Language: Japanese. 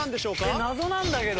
えっ謎なんだけど。